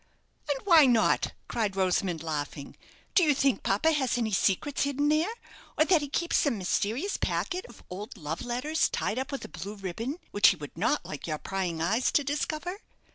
"And why not?" cried Rosamond, laughing. "Do you think papa has any secrets hidden there; or that he keeps some mysterious packet of old love letters tied up with a blue ribbon, which he would not like your prying eyes to discover?